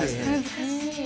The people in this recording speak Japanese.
難しい！